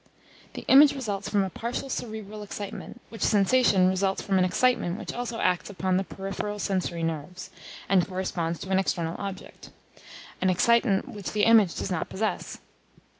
The image results from a partial cerebral excitement, which sensation results from an excitement which also acts upon the peripheral sensory nerves, and corresponds to an external object an excitant which the image does not possess.